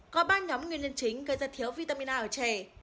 có ba nhóm nguyên nhân chính gây ra thiếu vitamin a ở trẻ